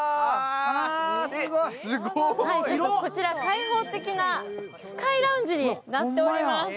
こちら開放的なスカイラウンジになっております。